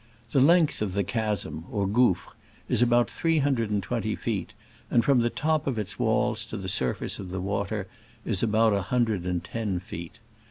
The length of the chasm or gouffre is about three hundred and twenty feet, and from the top of its walls to the surface of the water is about one hundred and ten feet.